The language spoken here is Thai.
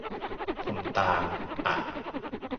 ผมตาม อะ